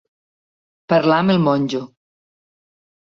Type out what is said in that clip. Parlar amb el monjo.